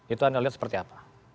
itu anda lihat seperti apa